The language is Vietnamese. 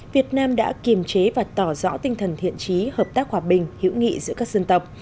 việt nam đã kiềm chế và tỏ rõ tinh thần thiện trí hợp tác hòa bình hữu nghị giữa các dân tộc